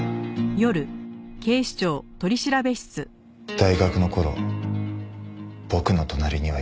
大学の頃僕の隣にはいつも敦がいた。